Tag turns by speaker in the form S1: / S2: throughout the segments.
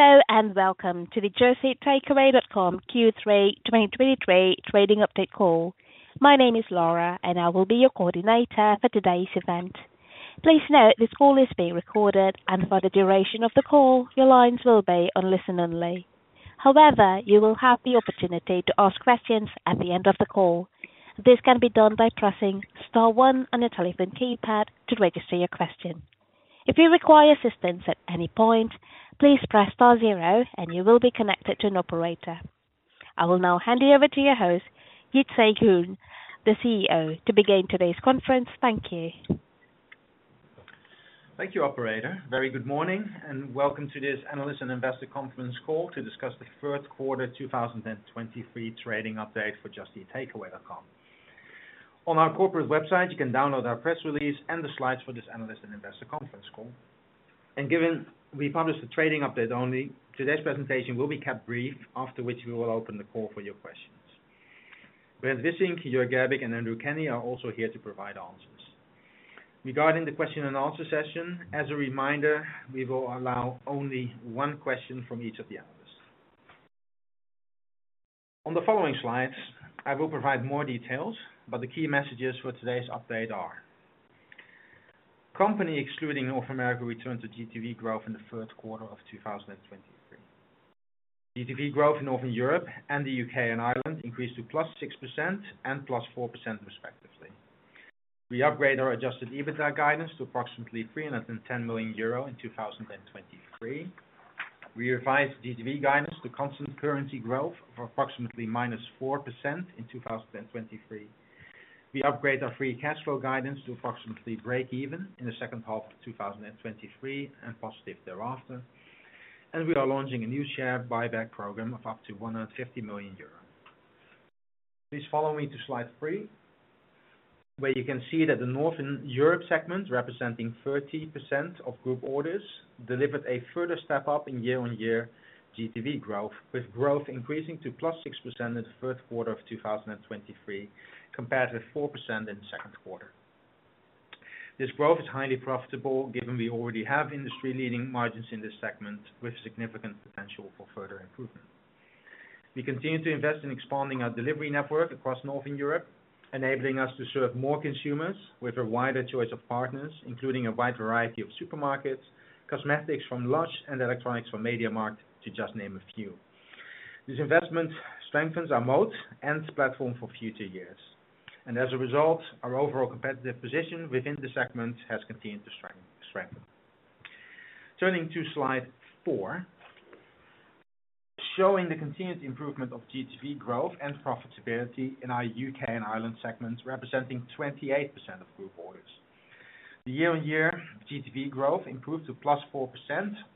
S1: Hello, and welcome to the Just Eat Takeaway.com Q3 2023 trading update call. My name is Laura, and I will be your coordinator for today's event. Please note, this call is being recorded, and for the duration of the call, your lines will be on listen only. However, you will have the opportunity to ask questions at the end of the call. This can be done by pressing Star one on your telephone keypad to register your question. If you require assistance at any point, please press Star zero and you will be connected to an operator. I will now hand you over to your host, Jitse Groen, the CEO, to begin today's conference. Thank you.
S2: Thank you, operator. Very good morning, and welcome to this Analyst and Investor conference call to discuss the third quarter 2023 trading update for Just Eat Takeaway.com. On our corporate website, you can download our press release and the slides for this analyst and investor conference call. And given we published the trading update only, today's presentation will be kept brief, after which we will open the call for your questions. Brent Wissink, Jörg Gerbig, and Andrew Kenny are also here to provide answers. Regarding the question and answer session, as a reminder, we will allow only one question from each of the analysts. On the following slides, I will provide more details, but the key messages for today's update are: company excluding North America returned to GTV growth in the third quarter of 2023. GTV growth in Northern Europe and the U.K. and Ireland increased to +6% and +4% respectively. We upgrade our adjusted EBITDA guidance to approximately 310 million euro in 2023. We revised GTV guidance to constant currency growth of approximately -4% in 2023. We upgrade our free cash flow guidance to approximately break even in the second half of 2023, and positive thereafter. We are launching a new share buyback program of up to 150 million euros. Please follow me to Slide 3, where you can see that the Northern Europe segment, representing 30% of group orders, delivered a further step up in year-on-year GTV growth, with growth increasing to +6% in the third quarter of 2023, compared with 4% in the second quarter. This growth is highly profitable, given we already have industry-leading margins in this segment with significant potential for further improvement. We continue to invest in expanding our delivery network across Northern Europe, enabling us to serve more consumers with a wider choice of partners, including a wide variety of supermarkets, cosmetics from Lush, and electronics from MediaMarkt, to just name a few. This investment strengthens our moat and platform for future years, and as a result, our overall competitive position within the segment has continued to strengthen, strengthen. Turning to Slide 4, showing the continued improvement of GTV growth and profitability in our UK and Ireland segments, representing 28% of group orders. The year-on-year GTV growth improved to +4%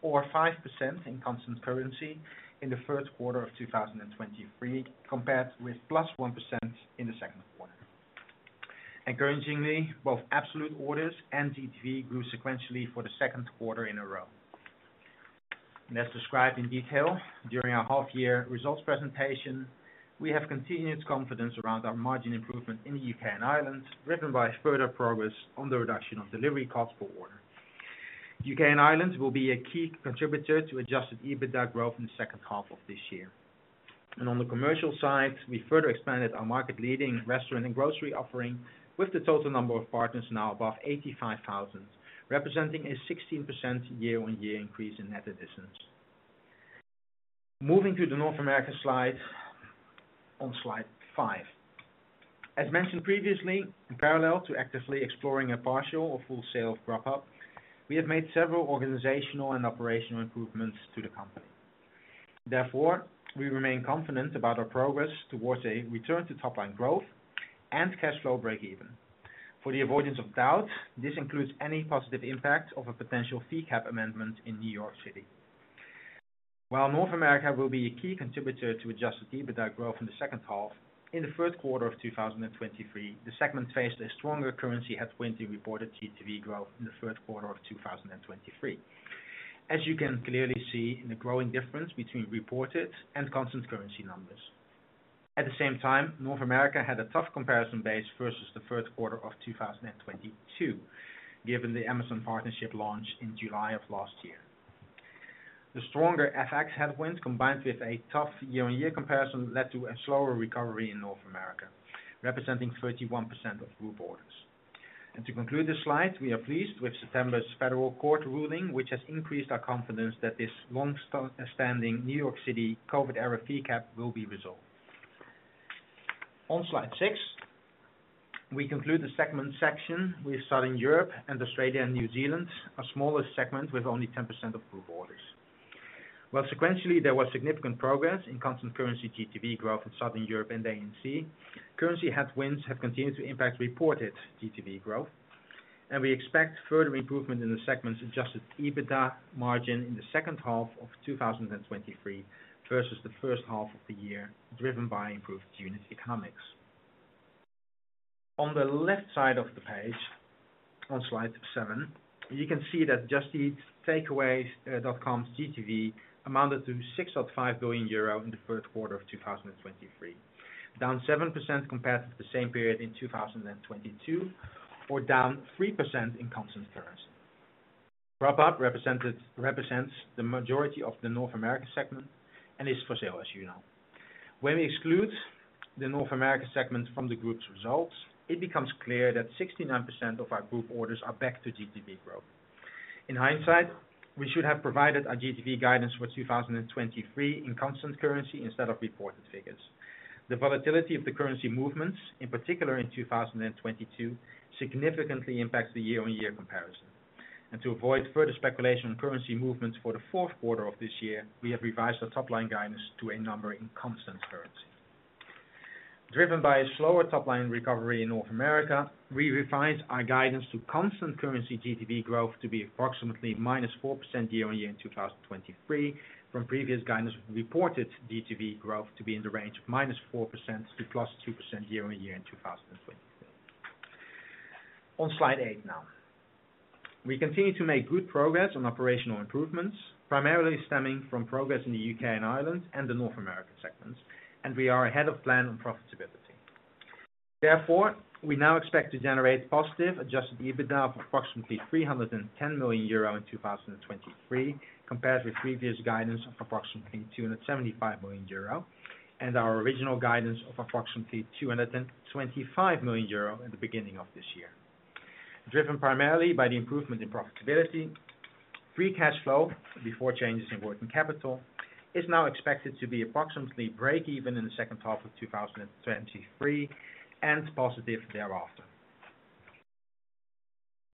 S2: or 5% in constant currency in the third quarter of 2023, compared with +1% in the second quarter. Encouragingly, both absolute orders and GTV grew sequentially for the second quarter in a row. And as described in detail during our half year results presentation, we have continued confidence around our margin improvement in the U.K. and Ireland, driven by further progress on the reduction of delivery costs per order. U.K. and Ireland will be a key contributor to adjusted EBITDA growth in the second half of this year. On the Commercial side, we further expanded our market-leading restaurant and grocery offering with the total number of partners now above 85,000, representing a 16% year-on-year increase in net additions. Moving to the North America slide. On Slide 5. As mentioned previously, in parallel to actively exploring a partial or full sale of Grubhub, we have made several organizational and operational improvements to the company. Therefore, we remain confident about our progress towards a return to top line growth and cash flow break even. For the avoidance of doubt, this includes any positive impact of a potential fee cap amendment in New York City. While North America will be a key contributor to adjusted EBITDA growth in the second half, in the third quarter of 2023, the segment faced a stronger currency headwind in reported GTV growth in the third quarter of 2023. As you can clearly see in the growing difference between reported and constant currency numbers. At the same time, North America had a tough comparison base versus the first quarter of 2022, given the Amazon partnership launch in July of last year. The stronger FX headwind, combined with a tough year-on-year comparison, led to a slower recovery in North America, representing 31% of group orders. To conclude this slide, we are pleased with September's Federal Court ruling, which has increased our confidence that this long-standing New York City COVID era fee cap will be resolved. On Slide 6, we conclude the segment section with Southern Europe and Australia and New Zealand, a smaller segment with only 10% of group orders. While sequentially, there was significant progress in constant currency GTV growth in Southern Europe and ANZ, currency headwinds have continued to impact reported GTV growth, and we expect further improvement in the segment's adjusted EBITDA margin in the second half of 2023 versus the first half of the year, driven by improved unit economics. On the left side of the page, on Slide 7, you can see that Just Eat Takeaway.com's GTV amounted to 6.5 billion euro in the first quarter of 2023, down 7% compared to the same period in 2022, or down 3% in constant currency. Grubhub represents the majority of the North America segment and is for sale, as you know. When we exclude the North America segment from the group's results, it becomes clear that 69% of our group orders are back to GTV growth. In hindsight, we should have provided our GTV guidance for 2023 in constant currency instead of reported figures. The volatility of the currency movements, in particular in 2022, significantly impacts the year-on-year comparison. To avoid further speculation on currency movements for the fourth quarter of this year, we have revised our top line guidance to a number in constant currency. Driven by a slower top line recovery in North America, we revised our guidance to constant currency GTV growth to be approximately -4% year-on-year in 2023, from previous guidance reported GTV growth to be in the range of -4% to +2% year-on-year in 2023. On Slide 8 now. We continue to make good progress on operational improvements, primarily stemming from progress in the U.K. and Ireland and the North American segments, and we are ahead of plan on profitability. Therefore, we now expect to generate positive adjusted EBITDA of approximately 310 million euro in 2023, compared with previous guidance of approximately 275 million euro, and our original guidance of approximately 225 million euro at the beginning of this year. Driven primarily by the improvement in profitability, free cash flow before changes in working capital is now expected to be approximately break even in the second half of 2023 and positive thereafter.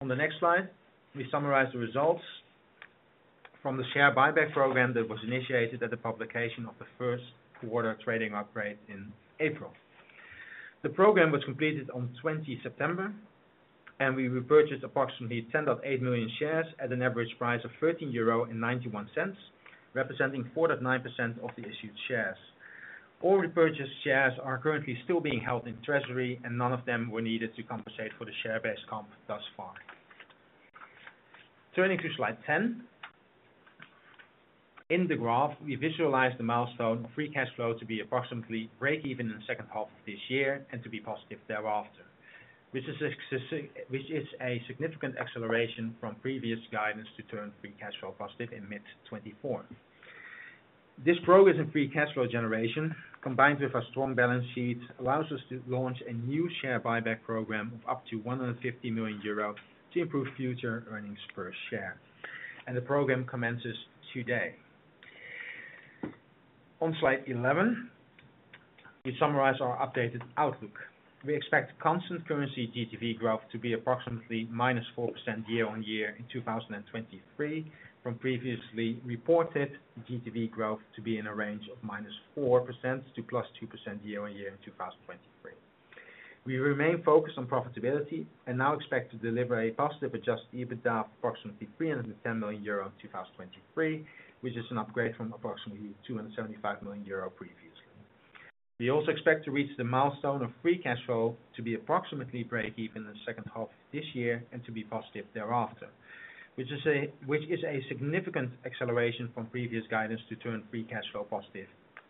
S2: On the next slide, we summarize the results from the share buyback program that was initiated at the publication of the first quarter trading upgrade in April. The program was completed on 20 September, and we repurchased approximately 10.8 million shares at an average price of 13.91 euro, which is a significant acceleration from previous guidance to turn free cash flow positive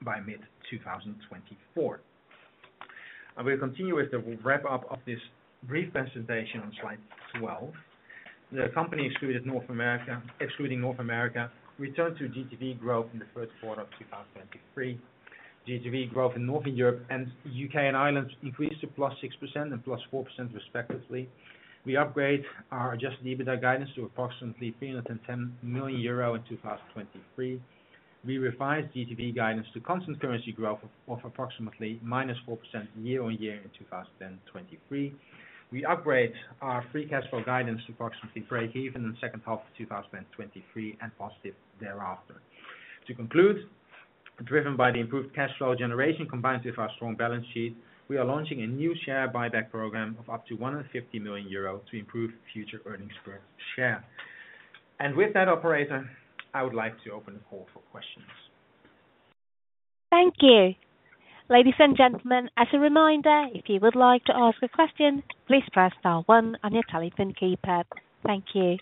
S2: by mid-2024. I will continue with the wrap up of this brief presentation on Slide 12. The company, excluding North America, returned to GTV growth in the first quarter of 2023. GTV growth in Northern Europe and U.K. and Ireland increased to +6% and +4% respectively. We upgrade our adjusted EBITDA guidance to approximately 310 million euro in 2023. We revised GTV guidance to constant currency growth of approximately -4% year-on-year in 2023. We upgrade our free cash flow guidance to approximately break even in the second half of 2023, and positive thereafter. To conclude, driven by the improved cash flow generation combined with our strong balance sheet, we are launching a new share buyback program of up to 150 million euro to improve future earnings per share. And with that, operator, I would like to open the call for questions.
S1: Thank you. Ladies and gentlemen, as a reminder, if you would like to ask a question, please press Star one on your telephone keypad. Thank you.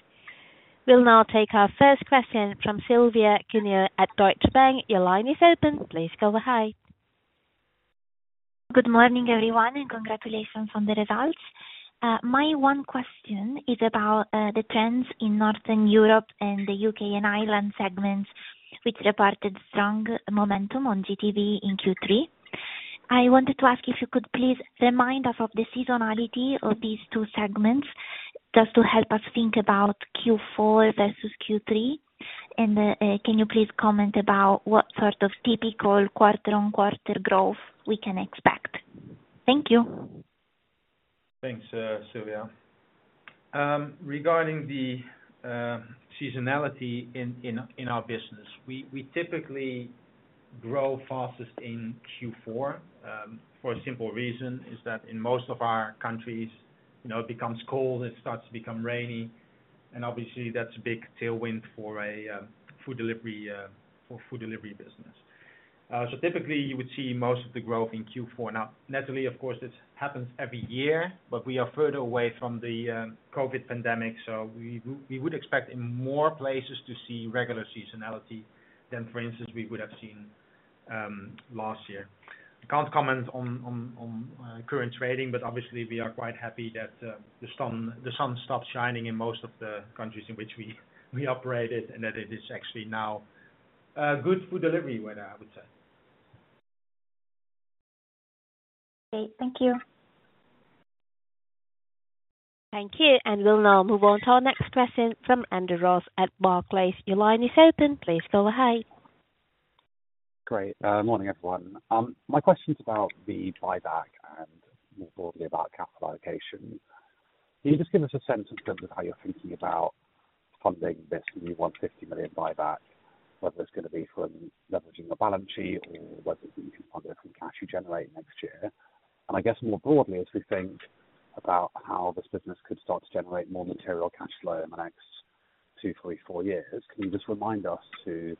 S1: We'll now take our first question from Silvia Cuneo at Deutsche Bank. Your line is open. Please go ahead.
S3: Good morning, everyone, and congratulations on the results. My one question is about the trends in Northern Europe and the U.K. and Ireland segments, which reported strong momentum on GTV in Q3. I wanted to ask if you could please remind us of the seasonality of these two segments, just to help us think about Q4 versus Q3. Can you please comment about what sort of typical quarter-on-quarter growth we can expect? Thank you.
S2: Thanks, Silvia. Regarding the seasonality in our business, we typically grow fastest in Q4, for a simple reason, is that in most of our countries, you know, it becomes cold, it starts to become rainy, and obviously that's a big tailwind for a food delivery business. So typically you would see most of the growth in Q4. Now, naturally, of course, this happens every year, but we are further away from the COVID pandemic, so we would expect in more places to see regular seasonality than, for instance, we would have seen last year. I can't comment on current trading, but obviously we are quite happy that the sun stops shining in most of the countries in which we operated, and that it is actually now good for delivery weather, I would say.
S3: Okay, thank you.
S1: Thank you, and we'll now move on to our next question from Andrew Ross at Barclays. Your line is open. Please go ahead.
S4: Great. Morning, everyone. My question's about the buyback and more broadly, about capital allocation. Can you just give us a sense in terms of how you're thinking about funding this new 150 million buyback, whether it's gonna be from leveraging the balance sheet, or whether it be funding from cash you generate next year? And I guess more broadly, as we think about how this business could start to generate more material cash flow in the next two, three, four years, can you just remind us to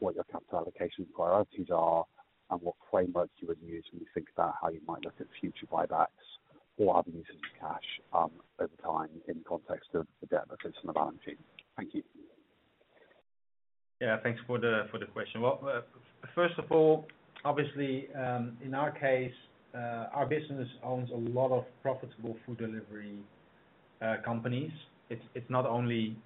S4: what your capital allocation priorities are, and what frameworks you would use when you think about how you might look at future buybacks or other uses of cash, over time in context of the deficits and the balance sheet? Thank you.
S2: Yeah, thanks for the, for the question. Well, first of all, obviously, in our case, our business owns a lot of profitable food delivery companies. It's, it's not only,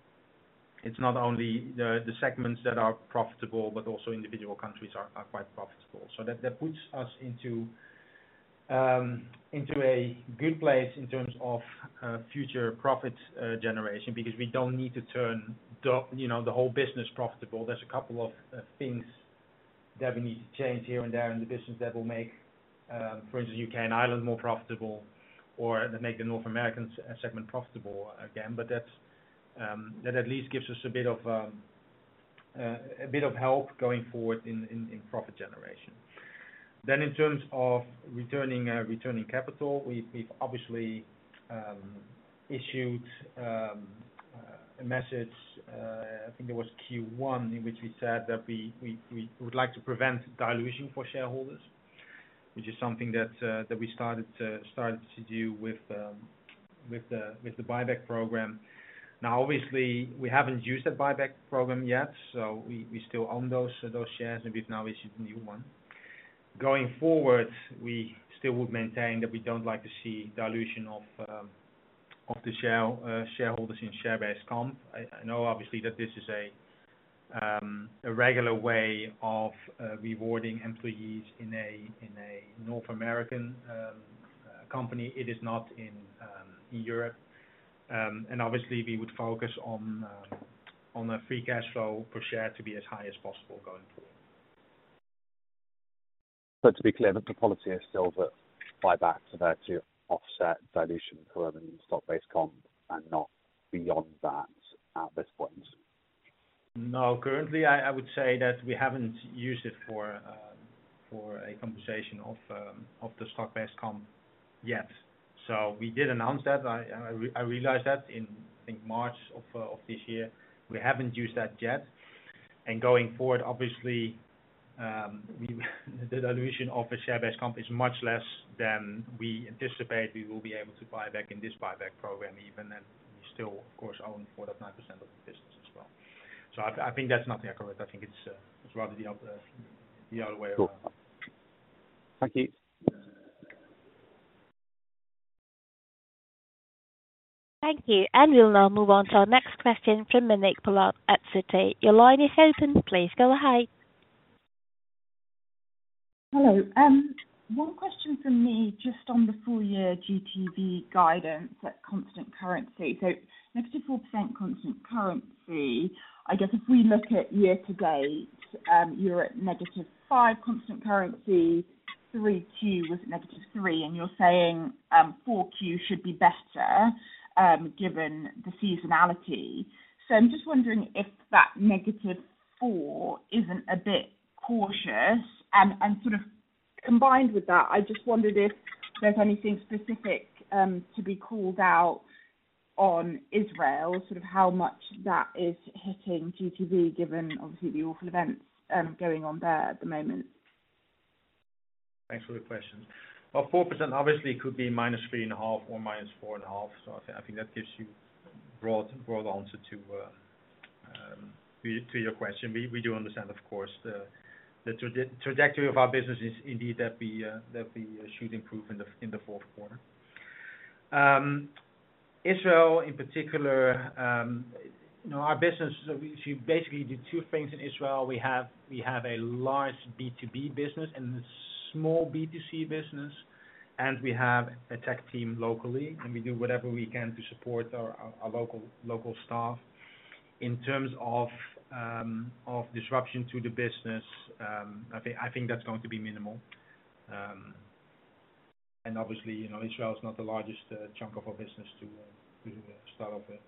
S2: it's not only the, the segments that are profitable, but also individual countries are, are quite profitable. So that, that puts us into, into a good place in terms of, future profit, generation, because we don't need to turn you know, the whole business profitable. There's a couple of, things that we need to change here and there in the business that will make, for instance, U.K. and Ireland more profitable, or that make the North American segment profitable again. But that, that at least gives us a bit of, a bit of help going forward in, in, in profit generation. Then, in terms of returning capital, we've obviously issued a message, I think it was Q1, in which we said that we would like to prevent dilution for shareholders, which is something that we started to do with the buyback program. Now, obviously, we haven't used that buyback program yet, so we still own those shares, and we've now issued a new one. Going forward, we still would maintain that we don't like to see dilution of the shareholders in share-based comp. I know obviously that this is a regular way of rewarding employees in a North American company. It is not in Europe. Obviously we would focus on free cash flow per share to be as high as possible going forward.
S4: To be clear, that the policy is still that buybacks are there to offset dilution occurring in stock-based comp and not beyond that at this point?
S2: No, currently, I would say that we haven't used it for a conversation of the stock-based comp yet. So we did announce that. I realized that in, I think March of this year. We haven't used that yet. And going forward, obviously, we the dilution of a share-based comp is much less than we anticipate we will be able to buy back in this buyback program, even then, we still, of course, own 4.9% of the business as well. So I think that's not accurate. I think it's rather the other way around.
S4: Cool. Thank you.
S1: Thank you, and we'll now move on to our next question from Monique Pollard at Citi. Your line is open. Please go ahead.
S5: Hello. One question from me, just on the full-year GTV guidance at constant currency. So -4% constant currency, I guess if we look at year to date, you're at -5% constant currency, 3Q was negative 3, and you're saying, 4Q should be better, given the seasonality. So I'm just wondering if that -4% isn't a bit cautious, and, and sort of combined with that, I just wondered if there's anything specific, to be called out on Israel, sort of how much that is hitting GTV, given obviously the awful events, going on there at the moment.
S2: Thanks for the question. Well, 4% obviously could be -3.5% or -4.5%, so I think that gives you a broad answer to your question. We do understand, of course, the trajectory of our business is indeed that we should improve in the fourth quarter. Israel in particular, you know, our business, we basically do two things in Israel. We have a large B2B business and a small B2C business, and we have a tech team locally, and we do whatever we can to support our local staff. In terms of disruption to the business, I think that's going to be minimal. Obviously, you know, Israel is not the largest chunk of our business to start off with.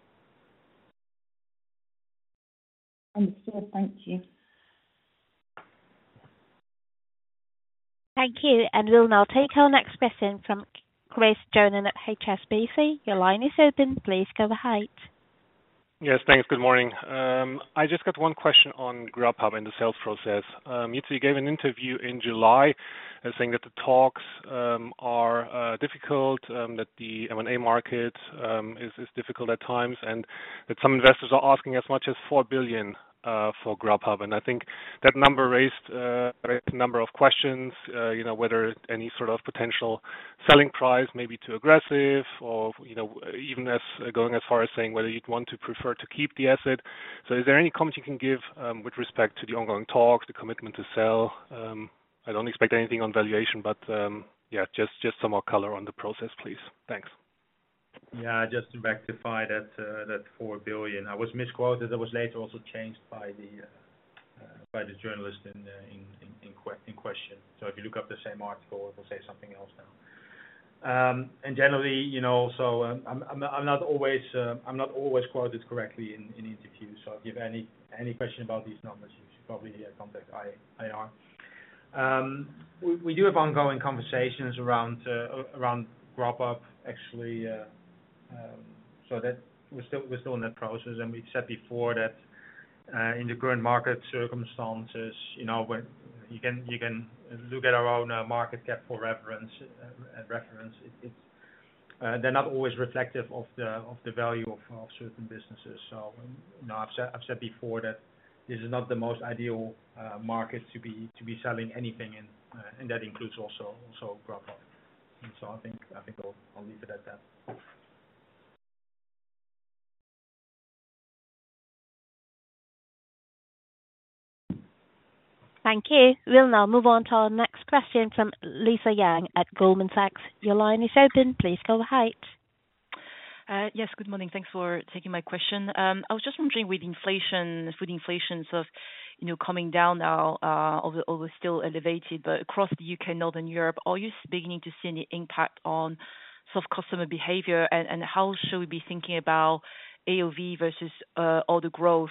S5: Understood. Thank you.
S1: Thank you, and we'll now take our next question from Chris Johnen at HSBC. Your line is open. Please go ahead.
S6: Yes, thanks. Good morning. I just got one question on Grubhub and the sales process. You gave an interview in July as saying that the talks are difficult, that the M&A market is difficult at times, and that some investors are asking as much as $4 billion for Grubhub. And I think that number raised a number of questions, you know, whether any sort of potential selling price may be too aggressive or, you know, even as going as far as saying whether you'd want to prefer to keep the asset. So is there any comment you can give with respect to the ongoing talks, the commitment to sell? I don't expect anything on valuation, but yeah, just some more color on the process, please. Thanks.
S2: Yeah, just to rectify that, that 4 billion, I was misquoted. That was later also changed by the, by the journalist in question. So if you look up the same article, it will say something else now. And generally, you know, so, I'm not always quoted correctly in interviews, so I'll give any question about these numbers, you should probably contact IR. We do have ongoing conversations around around Grubhub, actually, so that we're still in that process. And we've said before that, in the current market circumstances, you know, when you can look at our own market cap for reference, and reference. It's, they're not always reflective of the value of certain businesses. So, you kn\ow, I've said, I've said before that this is not the most ideal market to be, to be selling anything, and, and that includes also, also Grubhub. And so I think, I think I'll, I'll leave it at that.
S1: Thank you. We'll now move on to our next question from Lisa Yang at Goldman Sachs. Your line is open. Please go ahead.
S7: Yes, good morning. Thanks for taking my question. I was just wondering with inflation, food inflation, so, you know, coming down now, although still elevated, but across the U.K. and Northern Europe, are you beginning to see any impact on sort of customer behavior? And how should we be thinking about AOV versus order growth,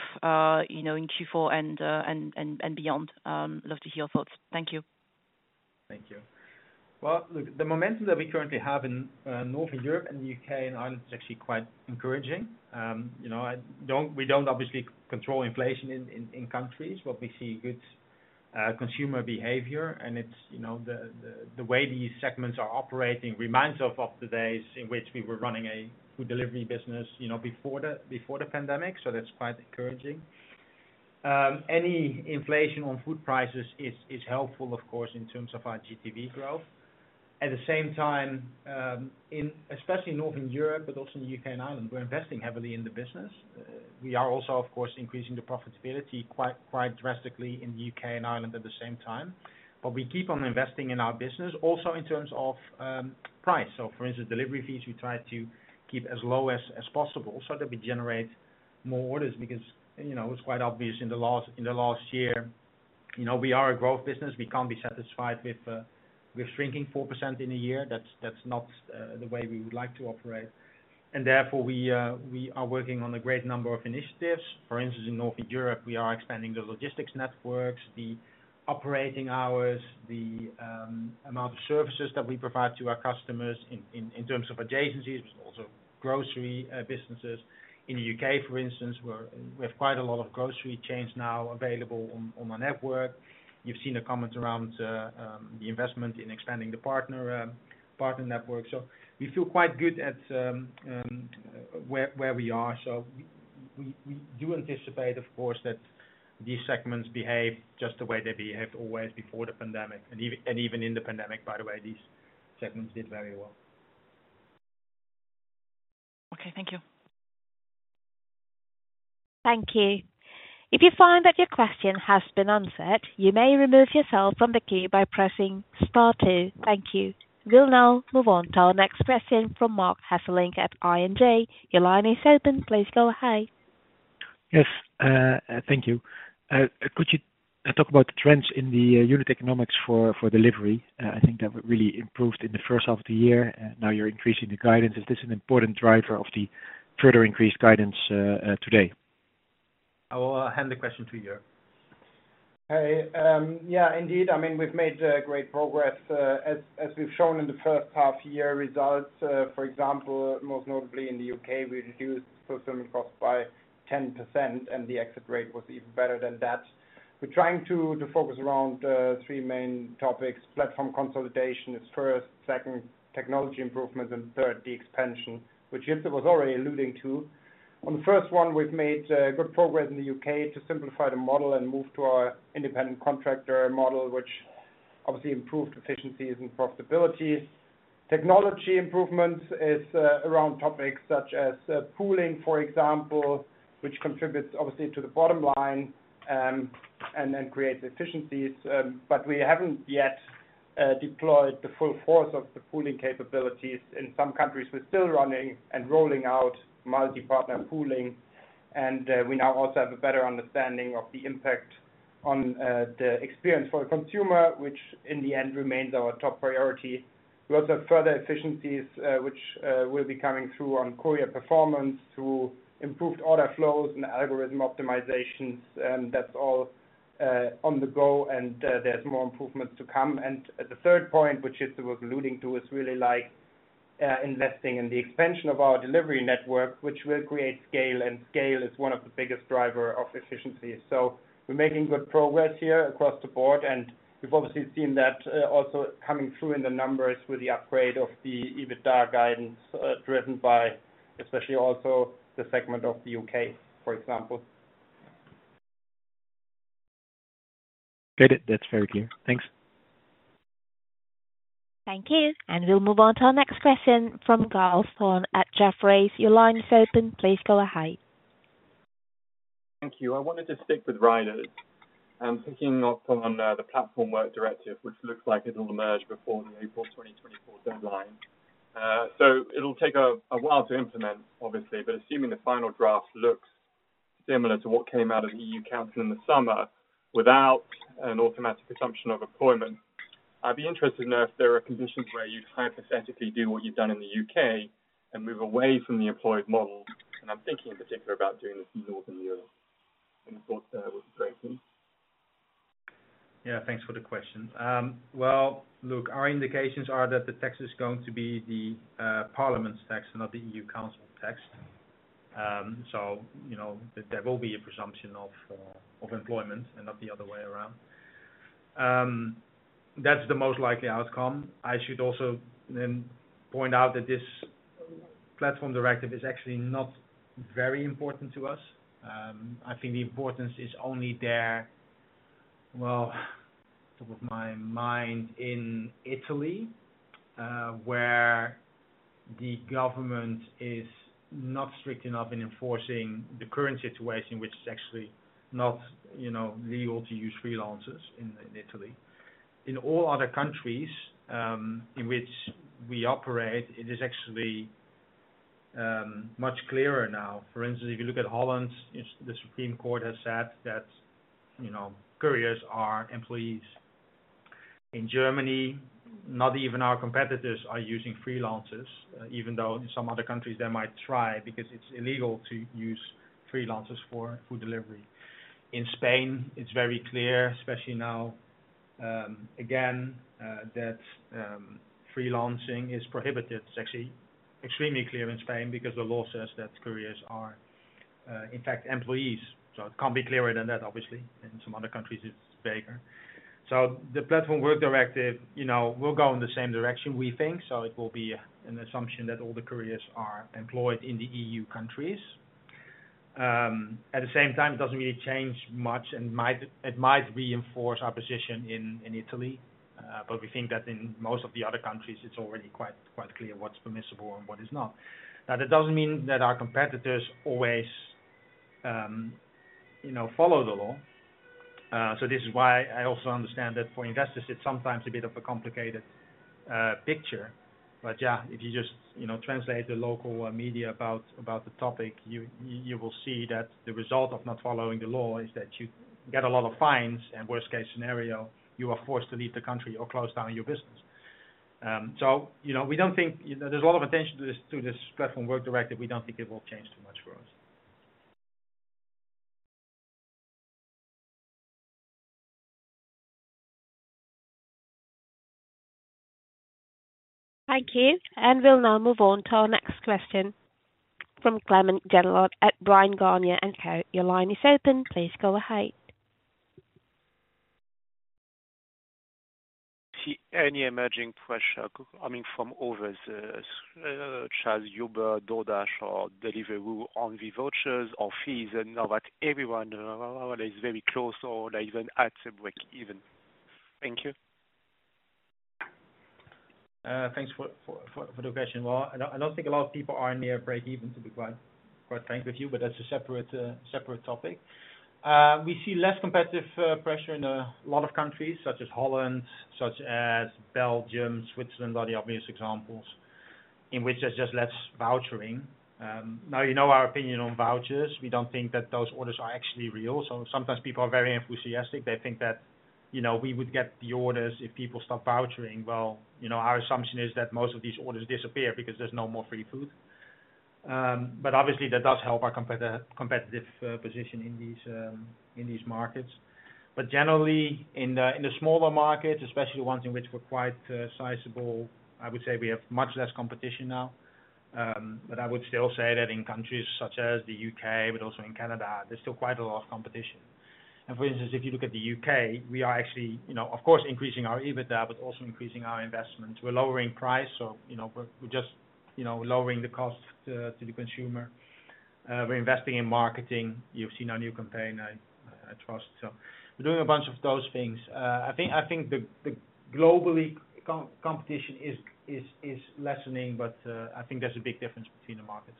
S7: you know, in Q4 and beyond? Love to hear your thoughts. Thank you.
S2: Thank you. Well, look, the momentum that we currently have in Northern Europe and the U.K. and Ireland is actually quite encouraging. You know, we don't obviously control inflation in countries, but we see good consumer behavior. And it's, you know, the way these segments are operating reminds us of the days in which we were running a food delivery business, you know, before the pandemic. So that's quite encouraging. Any inflation on food prices is helpful, of course, in terms of our GTV growth. At the same time, in especially Northern Europe, but also in the U.K. and Ireland, we're investing heavily in the business. We are also, of course, increasing the profitability quite drastically in the U.K. and Ireland at the same time. But we keep on investing in our business, also in terms of price. So for instance, delivery fees, we try to keep as low as possible, so that we generate more orders. Because, you know, it's quite obvious in the last, in the last year, you know, we are a growth business. We can't be satisfied with shrinking 4% in a year. That's not the way we would like to operate. And therefore we are working on a great number of initiatives. For instance, in Northern Europe, we are expanding the logistics networks, the operating hours, the amount of services that we provide to our customers in terms of adjacencies, but also grocery businesses. In the U.K., for instance, where we have quite a lot of grocery chains now available on our network. You've seen a comment around the investment in expanding the partner network. So we feel quite good at where we are. So we do anticipate, of course, that these segments behave just the way they behaved always before the pandemic, and even in the pandemic, by the way, these segments did very well.
S7: Okay, thank you.
S1: Thank you. If you find that your question has been answered, you may remove yourself from the queue by pressing star two. Thank you. We'll now move on to our next question from Marc Hesselink at ING. Your line is open. Please go ahead.
S8: Yes, thank you. Could you talk about the trends in the unit economics for delivery? I think that really improved in the first half of the year, and now you're increasing the guidance. Is this an important driver of the further increased guidance today?
S2: I will hand the question to Jörg.
S9: Hey, yeah, indeed. I mean, we've made great progress, as we've shown in the first half year results. For example, most notably in the U.K., we reduced fulfillment cost by 10%, and the exit rate was even better than that. We're trying to focus around three main topics: platform consolidation is first, second, technology improvement, and third, the expansion, which Jitse was already alluding to. On the first one, we've made good progress in the U.K. to simplify the model and move to our independent contractor model, which obviously improved efficiencies and profitability. Technology improvements is around topics such as pooling, for example, which contributes obviously to the bottom line, and then creates efficiencies. But we haven't yet deployed the full force of the pooling capabilities. In some countries, we're still running and rolling out multi-partner pooling. And, we now also have a better understanding of the impact on, the experience for the consumer, which in the end remains our top priority. We also have further efficiencies, which, will be coming through on courier performance to improved order flows and algorithm optimizations, and that's all, on the go, and, there's more improvements to come. And the third point, which Jitse was alluding to, is really like- ... investing in the expansion of our delivery network, which will create scale, and scale is one of the biggest driver of efficiency. So we're making good progress here across the board, and we've obviously seen that, also coming through in the numbers with the upgrade of the EBITDA guidance, driven by especially also the segment of the U.K. for example.
S8: Great. That's very clear. Thanks.
S1: Thank you, and we'll move on to our next question from Giles Thorne at Jefferies. Your line is open. Please go ahead.
S10: Thank you. I wanted to stick with riders. I'm thinking of on the Platform Work Directive, which looks like it'll merge before the April 2024 deadline. So it'll take a while to implement, obviously, but assuming the final draft looks similar to what came out of EU Council in the summer, without an automatic assumption of appointment, I'd be interested to know if there are conditions where you'd hypothetically do what you've done in the U.K. and move away from the employed model. I'm thinking in particular about doing this in Northern Europe and of course with German.
S2: Yeah, thanks for the question. Well, look, our indications are that the text is going to be the Parliament's text, not the EU Council text. So, you know, there will be a presumption of employment and not the other way around. That's the most likely outcome. I should also then point out that this platform directive is actually not very important to us. I think the importance is only there... well, top of my mind in Italy, where the government is not strict enough in enforcing the current situation, which is actually not, you know, legal to use freelancers in Italy. In all other countries in which we operate, it is actually much clearer now. For instance, if you look at Holland, the Supreme Court has said that, you know, couriers are employees. In Germany, not even our competitors are using freelancers, even though in some other countries they might try because it's illegal to use freelancers for food delivery. In Spain, it's very clear, especially now, again, that freelancing is prohibited. It's actually extremely clear in Spain because the law says that couriers are, in fact employees. So it can't be clearer than that, obviously. In some other countries, it's vaguer. So the Platform Work Directive, you know, will go in the same direction, we think. So it will be an assumption that all the couriers are employed in the EU countries. At the same time, it doesn't really change much and might - it might reinforce our position in Italy, but we think that in most of the other countries it's already quite, quite clear what's permissible and what is not. Now, that doesn't mean that our competitors always, you know, follow the law. So this is why I also understand that for investors, it's sometimes a bit of a complicated picture. But yeah, if you just, you know, translate the local media about, about the topic, you, you will see that the result of not following the law is that you get a lot of fines, and worst case scenario, you are forced to leave the country or close down your business. So, you know, we don't think there's a lot of attention to this, to this Platform Work Directive. We don't think it will change too much for us.
S1: Thank you. We'll now move on to our next question from Clément Genelot at Bryan, Garnier & Co. Your line is open. Please go ahead.
S11: See any emerging pressure coming from others, such as Uber, DoorDash or Deliveroo on the vouchers or fees, and now that everyone is very close or even at breakeven? Thank you.
S2: Thanks for the question. Well, I don't think a lot of people are near breakeven, to be quite frank with you, but that's a separate topic. We see less competitive pressure in a lot of countries, such as Holland, Belgium, Switzerland, which are the obvious examples, in which there's just less vouchering. Now, you know our opinion on vouchers. We don't think that those orders are actually real. So sometimes people are very enthusiastic. They think that, you know, we would get the orders if people stop vouchering. Well, you know, our assumption is that most of these orders disappear because there's no more free food. But obviously, that does help our competitive position in these markets. But generally, in the smaller markets, especially ones in which we're quite sizable, I would say we have much less competition now. But I would still say that in countries such as the U.K. but also in Canada, there's still quite a lot of competition. For instance, if you look at the U.K., we are actually, you know, of course, increasing our EBITDA, but also increasing our investment. We're lowering price, so you know, we're just, you know, lowering the cost to the consumer. We're investing in marketing. You've seen our new campaign, I trust. So we're doing a bunch of those things. I think the global competition is lessening, but I think there's a big difference between the markets.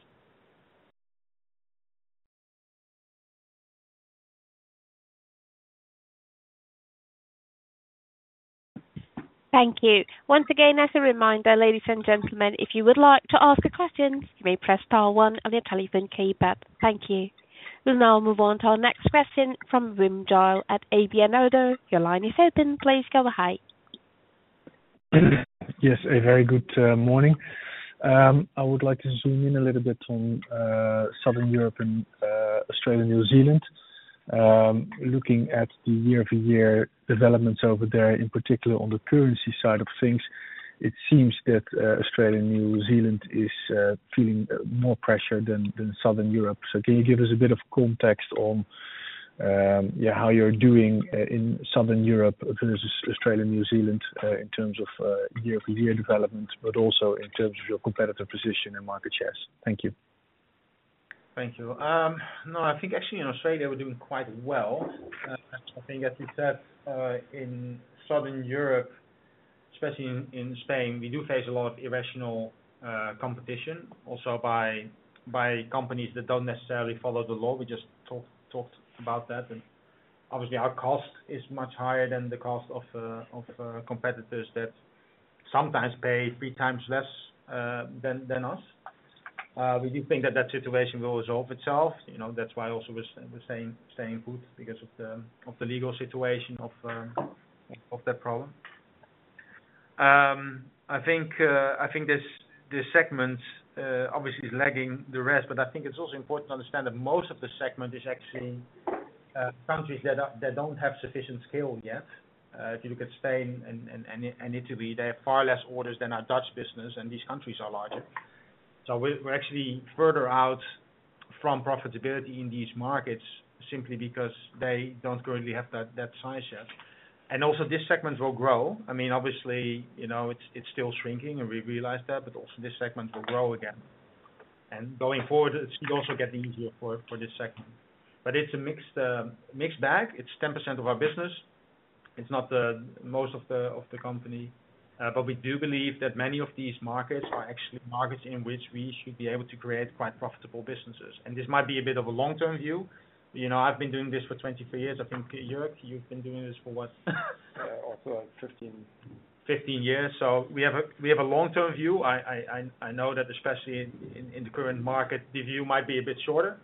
S1: Thank you. Once again, as a reminder, ladies and gentlemen, if you would like to ask a question, you may press Star one on your telephone keypad. Thank you. We'll now move on to our next question from Wim Gille at ABN AMRO. Your line is open. Please go ahead.
S12: Yes, a very good morning. I would like to zoom in a little bit on Southern Europe and Australia, New Zealand. Looking at the year-over-year developments over there, in particular on the currency side of things, it seems that Australia and New Zealand is feeling more pressure than Southern Europe. So can you give us a bit of context on how you're doing in Southern Europe versus Australia and New Zealand in terms of year-over-year development, but also in terms of your competitive position and market shares? Thank you.
S2: Thank you. No, I think actually in Australia, we're doing quite well. I think as you said, in Southern Europe, especially in Spain, we do face a lot of irrational competition also by companies that don't necessarily follow the law. We just talked about that, and obviously, our cost is much higher than the cost of competitors that sometimes pay three times less than us. We do think that that situation will resolve itself, you know, that's why also we're staying put because of the legal situation of that problem. I think this segment obviously is lagging the rest, but I think it's also important to understand that most of the segment is actually countries that don't have sufficient scale yet. If you look at Spain and Italy, they have far less orders than our Dutch business, and these countries are larger. So we're actually further out from profitability in these markets simply because they don't currently have that size yet. And also, this segment will grow. I mean, obviously, you know, it's still shrinking, and we realize that, but also this segment will grow again. And going forward, it should also get easier for this segment. But it's a mixed bag. It's 10% of our business. It's not the most of the company, but we do believe that many of these markets are actually markets in which we should be able to create quite profitable businesses. And this might be a bit of a long-term view. You know, I've been doing this for 24 years. I think, Jörg, you've been doing this for what?
S9: Also like 15.
S2: 15 years. So we have a long-term view. I know that especially in the current market, the view might be a bit shorter.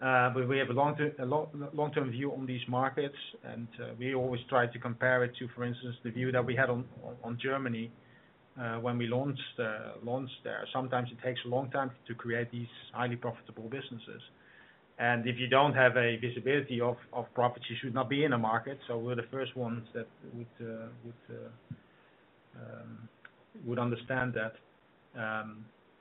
S2: But we have a long-term view on these markets, and we always try to compare it to, for instance, the view that we had on Germany when we launched there. Sometimes it takes a long time to create these highly profitable businesses. And if you don't have a visibility of profits, you should not be in a market, so we're the first ones that would understand that.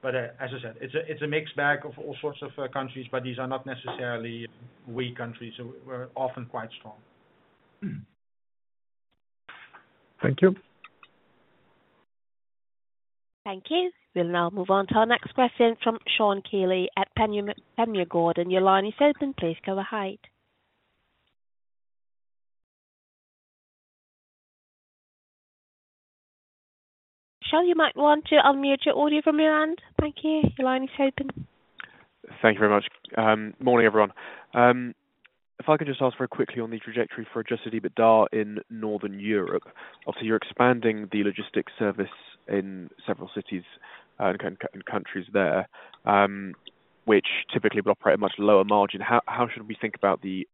S2: But as I said, it's a mixed bag of all sorts of countries, but these are not necessarily weak countries, so we're often quite strong.
S12: Thank you.
S1: Thank you. We'll now move on to our next question from Sean Kealy at Panmure Gordon. Your line is open. Please go ahead. Sean, you might want to unmute your audio from your end. Thank you. Your line is open.
S13: Thank you very much. Morning, everyone. If I could just ask very quickly on the trajectory for Adjusted EBITDA in Northern Europe. Obviously, you're expanding the logistics service in several cities and countries there, which typically will operate a much lower margin. How should we think about the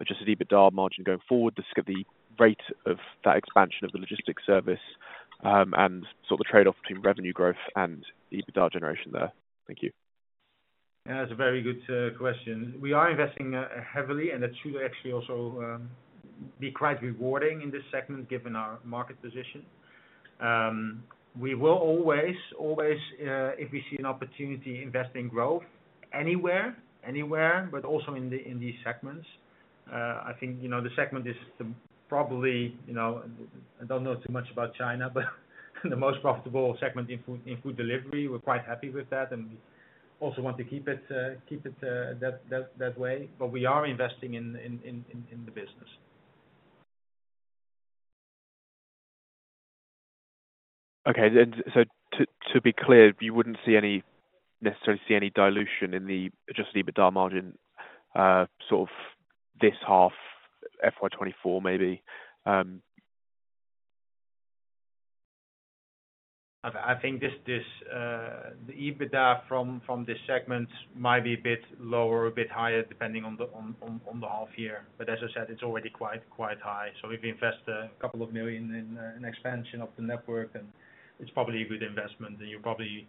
S13: Adjusted EBITDA margin going forward, the rate of that expansion of the logistics service, and sort of trade-off between revenue growth and the EBITDA generation there? Thank you.
S2: That's a very good question. We are investing heavily, and that should actually also be quite rewarding in this segment, given our market position. We will always if we see an opportunity, invest in growth anywhere, but also in these segments. I think, you know, it's probably, you know, I don't know too much about China, but the most profitable segment in food delivery. We're quite happy with that, and we also want to keep it that way, but we are investing in the business.
S13: Okay. So, to be clear, you wouldn't necessarily see any dilution in the adjusted EBITDA margin, sort of this half, FY 2024, maybe?
S2: I think the EBITDA from this segment might be a bit lower or a bit higher, depending on the half year. But as I said, it's already quite high. So if we invest a couple of million in expansion of the network, then it's probably a good investment, and you probably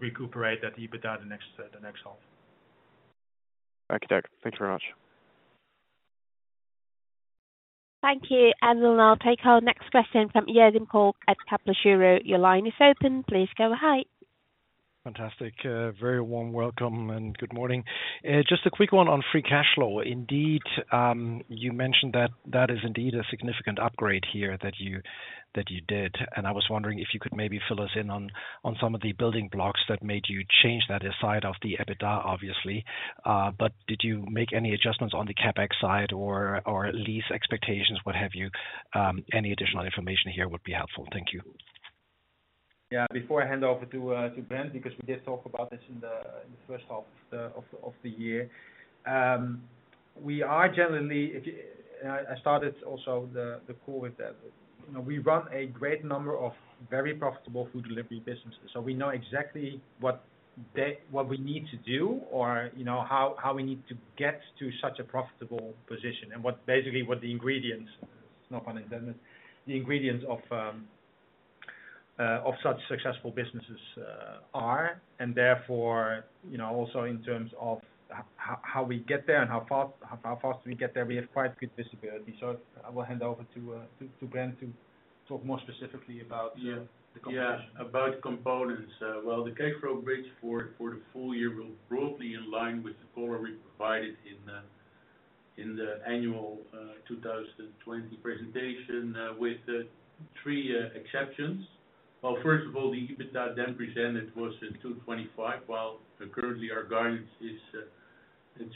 S2: recuperate that EBITDA the next half.
S13: Thank you, Jitse. Thank you very much.
S1: Thank you, and we'll now take our next question from Jurgen Kolb at Kepler Cheuvreux. Your line is open. Please go ahead.
S14: Fantastic. Very warm welcome and good morning. Just a quick one on free cash flow. Indeed, you mentioned that that is indeed a significant upgrade here that you, that you did. And I was wondering if you could maybe fill us in on, on some of the building blocks that made you change that aside of the EBITDA, obviously. But did you make any adjustments on the CapEx side or, or lease expectations, what have you? Any additional information here would be helpful. Thank you.
S2: Yeah, before I hand over to Brent, because we did talk about this in the first half of the year. We are generally. I started also the call with that. You know, we run a great number of very profitable food delivery businesses, so we know exactly what we need to do or, you know, how we need to get to such a profitable position and what basically what the ingredients, no pun intended, the ingredients of such successful businesses are, and therefore, you know, also in terms of how we get there and how fast we get there, we have quite good visibility. So I will hand over to Brent to talk more specifically about.
S15: Yeah-
S2: The components.
S15: About components. Well, the cash flow bridge for the full-year will broadly in line with the color we provided in the annual 2020 presentation, with three exceptions. Well, first of all, the EBITDA then presented was 225, while currently our guidance is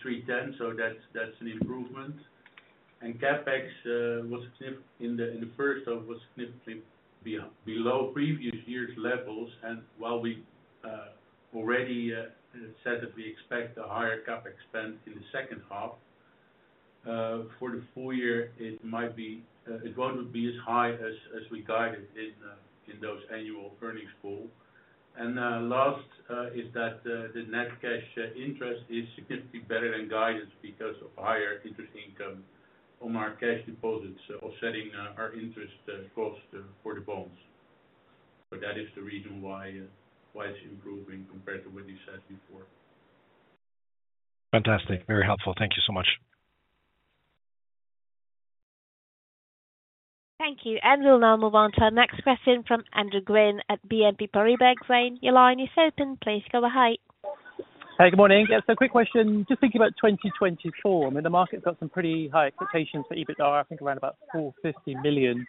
S15: 310, so that's an improvement. And CapEx in the first half was significantly below previous years' levels. And while we already said that we expect a higher CapEx spend in the second half, for the full-year, it might be... It won't be as high as we guided in those annual earnings call. Last is that the net cash interest is significantly better than guidance because of higher interest income on our cash deposits, offsetting our interest costs for the bonds. So that is the reason why it's improving compared to what we said before.
S14: Fantastic. Very helpful. Thank you so much.
S1: Thank you. We'll now move on to our next question from Andrew Gwynn at BNP Paribas Exane. Your line is open. Please go ahead.
S16: Hey, good morning. Yes, a quick question. Just thinking about 2024, I mean, the market's got some pretty high expectations for EBITDA, I think around about 450 million.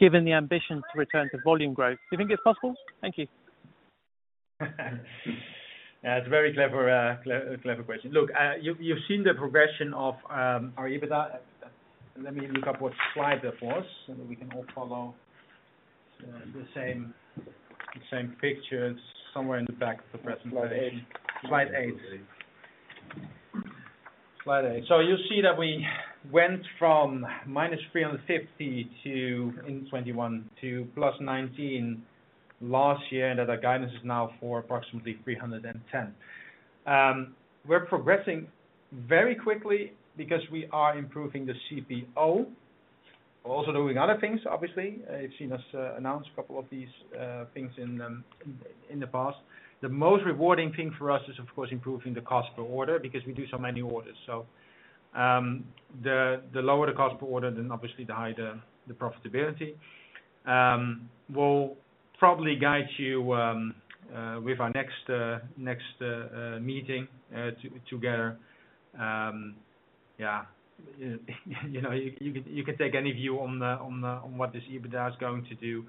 S16: Given the ambition to return to volume growth, do you think it's possible? Thank you.
S2: Yeah, it's a very clever question. Look, you've seen the progression of our EBITDA. Let me look up what slide that was, so that we can all follow the same picture. It's somewhere in the back of the presentation.
S15: Slide 8.
S2: Slide 6.
S15: Slide 8.
S2: So you see that we went from -350 to, in 2021, to +19 last year, and that our guidance is now for approximately 310. We're progressing very quickly because we are improving the CPO. We're also doing other things, obviously. You've seen us announce a couple of these things in the past. The most rewarding thing for us is, of course, improving the cost per order, because we do so many orders. So, the lower the cost per order, then obviously the higher the profitability. We'll probably guide you with our next meeting together. Yeah, you know, you can take any view on what this EBITDA is going to do.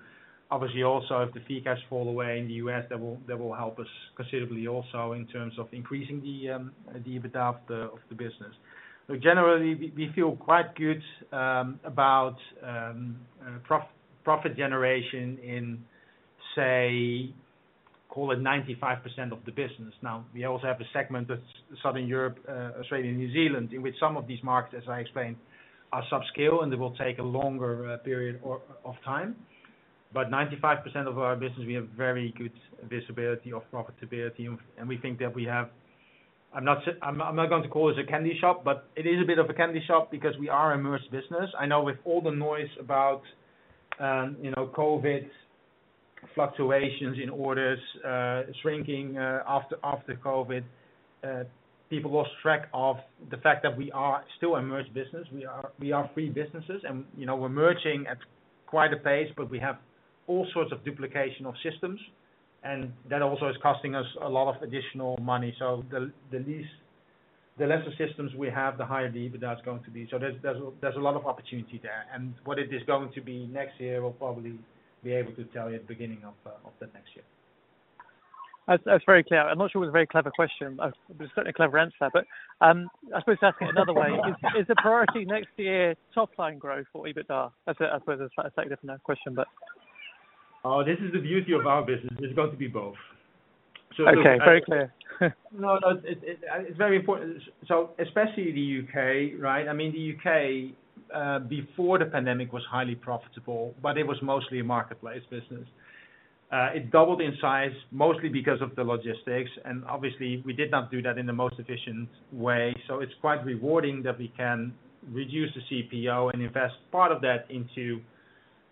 S2: Obviously, also, if the fee cuts fall away in the U.S., that will, that will help us considerably also in terms of increasing the EBITDA of the business. But generally, we feel quite good about profit generation in, say, call it 95% of the business. Now, we also have a segment that's Southern Europe, Australia, and New Zealand, in which some of these markets, as I explained, are subscale and they will take a longer period of time. But 95% of our business, we have very good visibility of profitability, and we think that we have... I'm not going to call it a candy shop, but it is a bit of a candy shop because we are a merged business. I know with all the noise about, you know, COVID fluctuations in orders, shrinking, after, after COVID, people lost track of the fact that we are still a merged business. We are, we are three businesses and, you know, we're merging at quite a pace, but we have all sorts of duplication of systems, and that also is costing us a lot of additional money. So the, the least- the lesser systems we have, the higher the EBITDA is going to be. So there's, there's, there's a lot of opportunity there. And what it is going to be next year, we'll probably be able to tell you at the beginning of, of the next year.
S16: That's, that's very clear. I'm not sure it was a very clever question, but certainly a clever answer. But I suppose to ask it another way. Is, is the priority next year, top line growth or EBITDA? That's it. I suppose that's a slightly different question, but...
S2: Oh, this is the beauty of our business. It's going to be both. So-
S16: Okay. Very clear.
S2: No, it's very important. So especially the U.K., right? I mean, the UK before the pandemic was highly profitable, but it was mostly a marketplace business. It doubled in size, mostly because of the logistics, and obviously, we did not do that in the most efficient way. So it's quite rewarding that we can reduce the CPO and invest part of that into,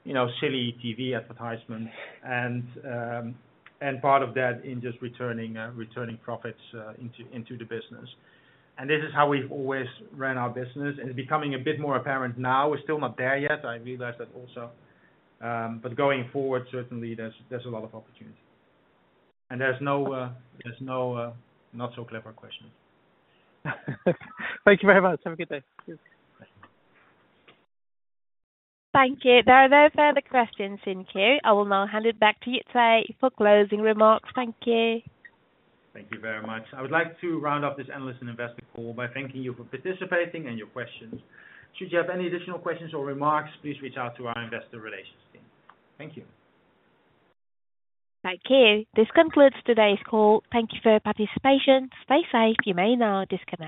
S2: you know, silly TV advertisements and part of that in just returning profits into the business. And this is how we've always ran our business, and it's becoming a bit more apparent now. We're still not there yet. I realize that also. But going forward, certainly, there's a lot of opportunity. And there's no not so clever question.
S16: Thank you very much. Have a good day.
S2: Cheers.
S1: Thank you. There are no further questions in queue. I will now hand it back to you, Jitse, for closing remarks. Thank you.
S2: Thank you very much. I would like to round up this analyst and investor call by thanking you for participating and your questions. Should you have any additional questions or remarks, please reach out to our investor relations team. Thank you.
S1: Thank you. This concludes today's call. Thank you for your participation. Stay safe. You may now disconnect.